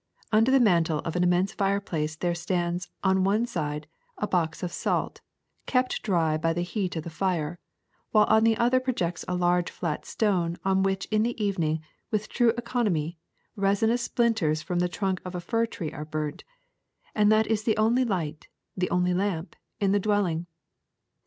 Under the mantel of an immense fireplace there stands, on one side, a box of salt, kept dry 'by the heat of the fire, while on the other projects a large flat stone on which in the even ing, with true economy, resinous splinters from the trunk of a fir tree are burnt; and that is the only light, the only lamp, in the dwelling.